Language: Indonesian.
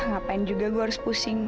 ngapain juga gue harus pusing